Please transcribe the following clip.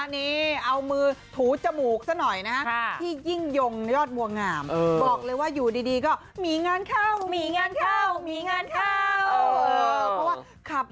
นี่เอามือถูจมูกเสียหน่อยนะคะ